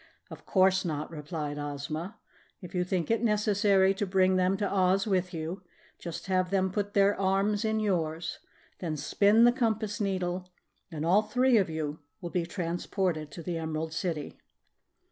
"Of course not," replied Ozma. "If you think it necessary to bring them to Oz with you, just have them put their arms in yours; then spin the compass needle, and all three of you will be transported to the Emerald City."